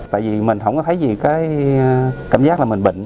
tại vì mình không có thấy gì cái cảm giác là mình bị bệnh